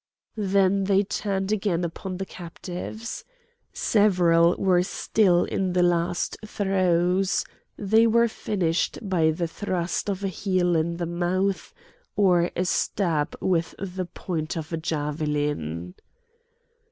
Then they turned again upon the captives. Several were still in the last throes; they were finished by the thrust of a heel in the mouth or a stab with the point of a javelin.